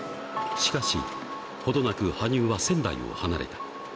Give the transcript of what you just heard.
しかし、程なく、羽生は仙台を離れた。